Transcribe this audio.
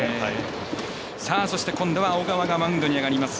そして、今度は小川がマウンドに上がります。